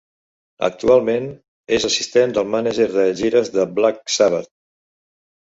Actualment és assistent del mànager de gires de Black Sabbath.